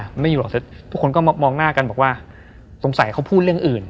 มันไม่อยู่หรอกเสร็จทุกคนก็มองหน้ากันบอกว่าสงสัยเขาพูดเรื่องอื่น